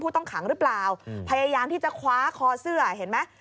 ต้องขังหรือเปล่าพยายามที่จะคว้าคอเสื้อเห็นไหม